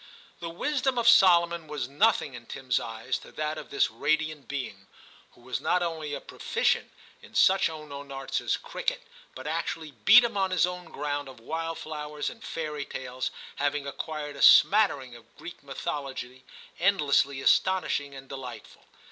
The wisdom of Solomon was nothing in Tim s eyes to that of this radiant being, who was not only a proficient in such unknown arts as cricket, but actually beat him on his own ground of wildflowers and fairy tales, having acquired a smattering of Greek mythology endlessly astonishing and delightful.